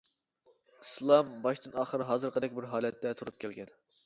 ئىسلام باشتىن-ئاخىر ھازىرقىدەك بىر ھالەتتە تۇرۇپ كەلگەن.